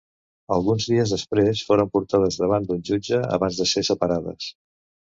Alguns dies després foren portades davant d'un jutge abans de ser separades.